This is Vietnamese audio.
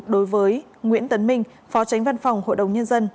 đối với nguyễn tấn minh phó tránh văn phòng hội đồng nhân dân